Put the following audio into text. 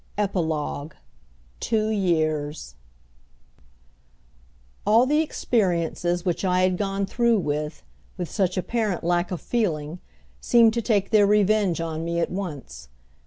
EPILOGUE TWO YEARS All the experiences which I had gone through with, with such apparent lack of feeling, seemed to take their revenge on me at once.